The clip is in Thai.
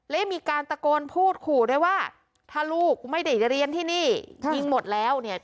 และมีการตะโกนพูดขู่ด้วยว่าถ้าลูกไม่ได้เรียนที่นี่ยิงหมดแล้วเนี่ย